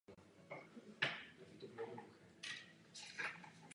Po určitou dobu vedla i ministerstva práce a zdravotnictví.